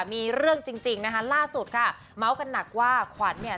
มีเรื่องจริงราศุกรณ์ค่ะมั๊วกันหนักว่าขวัญนี่